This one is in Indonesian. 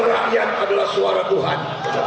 rakyat adalah suara tuhan